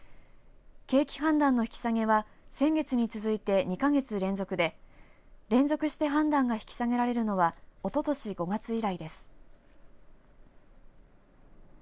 景気判断の引き下げは先月に続いて２か月連続で連続して判断が引き下げられるのはおととし５月以来です。